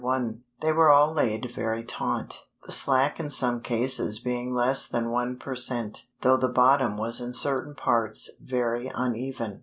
They were all laid very taut, the slack in some cases being less than one per cent, though the bottom was in certain parts very uneven.